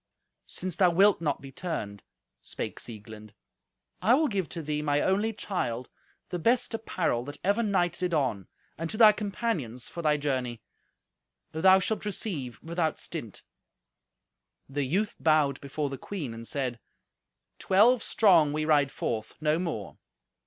"Since thou wilt not be turned," spake Sieglind, "I will give to thee, my only child, the best apparel that ever knight did on, and to thy companions, for thy journey. Thou shalt receive without stint." The youth bowed before the queen and said, "Twelve strong we ride forth, no more.